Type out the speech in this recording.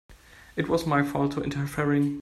It was my fault for interfering.